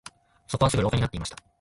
そこはすぐ廊下になっていました